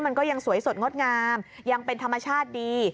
มันก็ยังสวยสดงดงามยังเป็นธรรมชาติดี